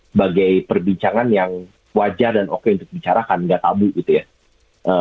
sebagai perbincangan yang wajar dan oke untuk dibicarakan nggak tabu gitu ya